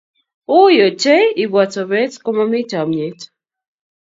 Wiiy ochei ibwat sobeet komami chamnyet